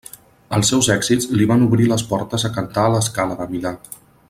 Els seus èxits li van obrir les portes a cantar a La Scala de Milà.